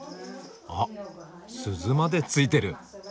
あっ鈴まで付いてる。